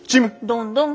どんどん！